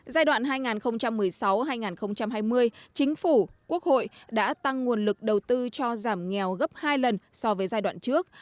giai đoạn hai nghìn một mươi sáu hai nghìn hai mươi chính phủ quốc hội đã tăng nguồn lực đầu tư cho giảm nghèo gấp hai lần so với giai đoạn trước